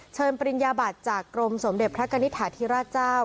เชิญปริญญาบัติจากกรมสมเด็จพระกัณฑาธิราชเจ้า